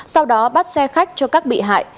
sau đó bắt xe khách cho các bị hại